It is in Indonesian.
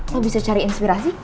lo bisa cari inspirasi ya kan